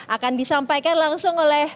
akan disampaikan langsung oleh